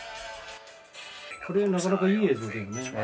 これなかなかいい映像だよね。